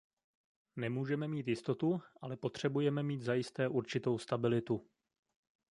Nemůžeme mít jistotu, ale potřebujeme mít zajisté určitou stabilitu.